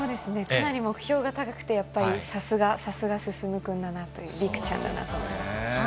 かなり目標が高くて、やっぱり、さすが、さすがすすむくんだなと、陸ちゃんだなと思います。